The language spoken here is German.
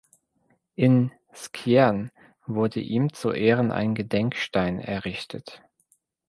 In Skjern wurde ihm zu Ehren ein Gedenkstein errichtet.